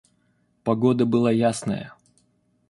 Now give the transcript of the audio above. Погода была ясная.